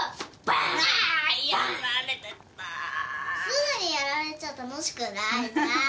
すぐにやられちゃ楽しくないなぁ。